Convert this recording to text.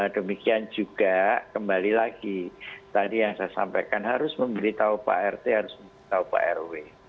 demikian juga kembali lagi tadi yang saya sampaikan harus memberitahu pak rt harus memberitahu pak rw